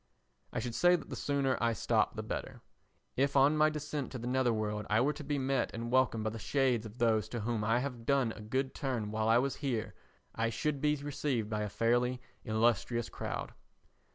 I should say that the sooner I stop the better. If on my descent to the nether world I were to be met and welcomed by the shades of those to whom I have done a good turn while I was here, I should be received by a fairly illustrious crowd.